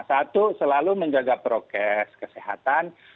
satu selalu menjaga prokes kesehatan